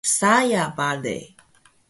Saya bale